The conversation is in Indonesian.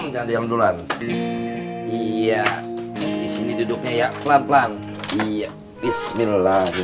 jadi diduknya plan plan paras persuasi